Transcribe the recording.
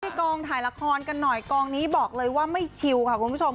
กองถ่ายละครกันหน่อยกองนี้บอกเลยว่าไม่ชิวค่ะคุณผู้ชม